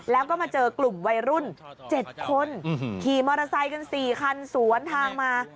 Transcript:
แล้วก็มาเจอกลุ่มวัยรุ่น๗คนขี่มอเตอร์ไซค์กัน๔คันสวนทางมา